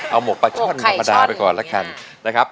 เอาหมกปลาช่อนธรรมดาไปก่อนแล้วกันนะครับ